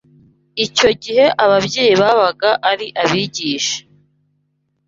Icyo gihe ababyeyi babaga ari abigisha